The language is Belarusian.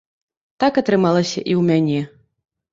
Так атрымалася і ў мяне.